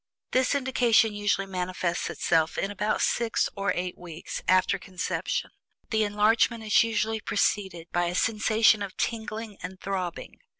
This indication usually manifests itself in about six or eight weeks after conception. This enlargement is usually preceded by a sensation of tingling and throbbing.